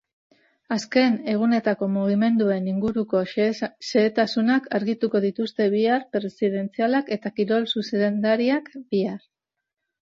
Azken egunetako mugimenduen inguruko xehetasunak argituko dituzte bihar presidenteak eta kirol zuzendariak bihar.